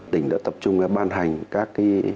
tỉnh đã tập trung ban hành các